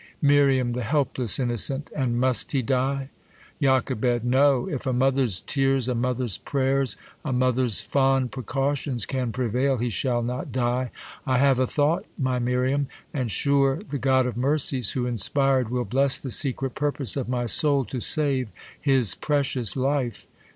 Mir, The helpless itmocent ! and must he die ? Joch, No : if a mother's tears, a mother's prayers, A mother's fond precautions can prevail, He shall not die. I have a thought, my Miriam! . And sure the God of mercies, who inspired, Will bless the secret purpose of my soul, To save his precious life.